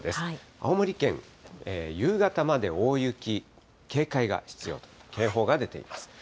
青森県、夕方まで大雪、警戒が必要、警報が出ています。